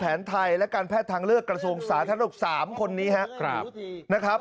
แผนไทยและการแพทย์ทางเลือกกระทรวงศาสตร์ทั้ง๓คนนี้นะครับ